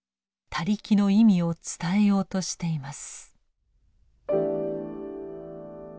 「他力」の意味を伝えようとしています。